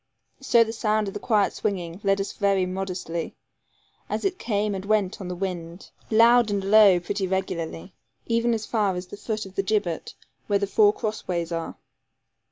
So the sound of the quiet swinging led us very modestly, as it came and went on the wind, loud and low pretty regularly, even as far as the foot of the gibbet where the four cross ways are.